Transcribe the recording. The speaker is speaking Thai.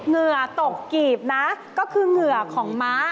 เหงื่อตกกีบนะก็คือเหงื่อของม้า